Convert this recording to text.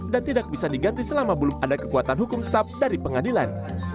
dan tidak bisa diganti selama belum ada kekuatan hukum tetap dari pengadilan